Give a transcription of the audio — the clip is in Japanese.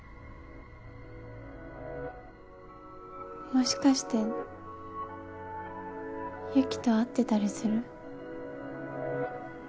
もしかして雪と会ってたりする？